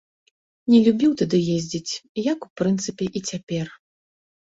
Не любіў туды ездзіць, як, у прынцыпе, і цяпер.